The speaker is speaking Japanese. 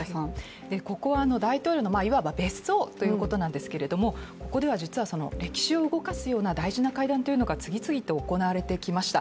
ここは大統領のいわば別荘ということなんですけれどもここでは実は歴史を動かすような大事な会談が次々と行われてきました。